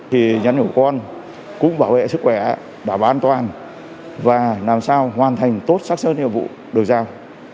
thì nhắn hiểu con cũng bảo vệ sức khỏe đã hoàn toàn và làm sao hoàn thành tốt sắc sơn nhiệm vụ được giao